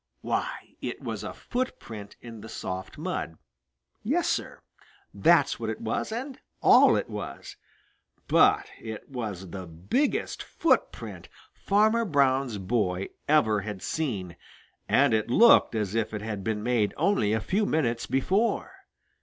Why, it was a footprint in the soft mud. Yes, Sir, that's what it was, and all it was. But it was the biggest footprint Farmer Brown's boy ever had seen, and it looked as if it had been made only a few minutes before.